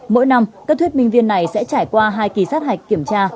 mỗi năm các thuyết minh viên này sẽ trải qua hai kỳ sát hạch kiểm tra